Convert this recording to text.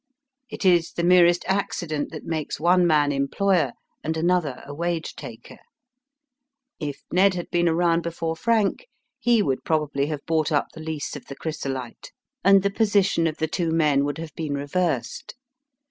It is the merest accident that makes one man employer and another a wage taker. If Ned had been around before Frank he would probably have bought up the lease of the Chrysolite, and the position of the two men would have been reversed.